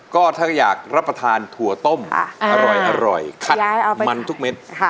ก็ถ้าอยากรับประทานถั่วต้มอร่อยคัดมันทุกเม็ด